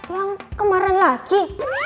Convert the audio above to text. yang kemarin lagi